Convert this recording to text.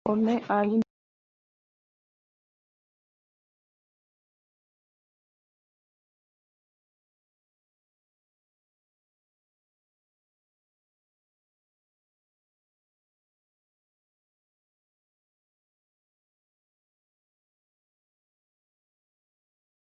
La izquierda, en cambio, se presentó dividida en la primera vuelta.